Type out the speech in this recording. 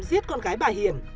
với con gái bà hiền